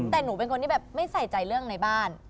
แต่หนูเป็นคนที่แบบไม่ใส่ใจเรื่องในบ้าน